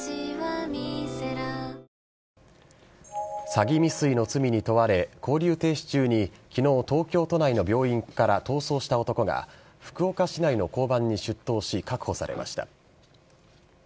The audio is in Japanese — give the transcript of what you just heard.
詐欺未遂の罪に問われ勾留停止中に昨日、東京都内の病院から逃走した男が福岡市内の交番に出頭し確保されました。